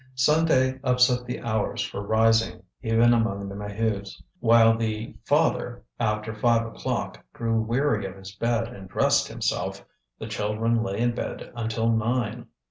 Sunday upset the hours for rising, even among the Maheus. While the father, after five o'clock, grew weary of his bed and dressed himself, the children lay in bed until nine.